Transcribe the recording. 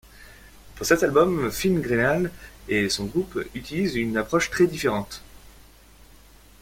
Pour cet album, Fin Greenall et son groupe utilise une approche très différente.